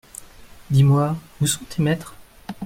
Dis-moi, où sont tes maîtres ?